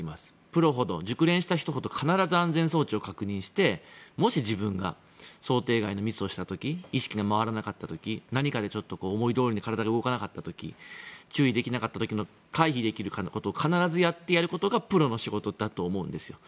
プロほど、熟練した人ほど必ず安全装置を確認してもし自分が想定外のミスをした時意識が回らなかった時何かで思いどおりに体が動かなかった時注意できなかった時に回避できるかを確認するそういうことを必ずやることがプロの仕事だと思うんですよ。